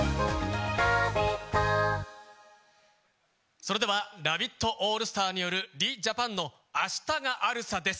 それではラヴィットオールスターによるＲｅ：Ｊａｐａｎの「明日があるさ」です。